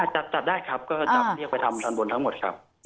จับได้ครับก็จะเรียกไปทำตอนบนทั้งหมดครับ